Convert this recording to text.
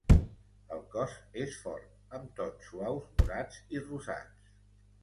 El cos és fort, amb tons suaus morats i rosats.